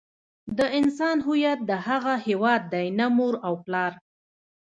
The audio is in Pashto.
د انسان هویت د هغه هيواد دی نه مور او پلار.